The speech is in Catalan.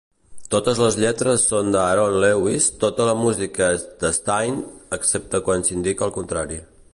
Totes les lletres són d'Aaron Lewis, tota la música és d'Staind, excepte quan s'indica el contrari.